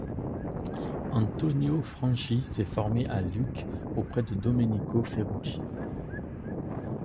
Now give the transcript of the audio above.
Antonio Franchi s'est formé à Lucques auprès de Domenico Ferrucci.